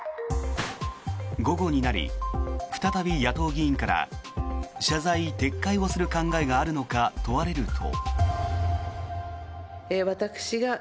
午後になり、再び野党議員から謝罪・撤回をする考えがあるのか問われると。